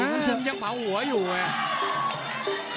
นี่ยังเผาหัวอยู่เนี่ย